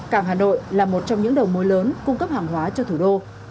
cảng hà nội là một trong những đầu mối lớn cung cấp hàng hóa cho thủ đô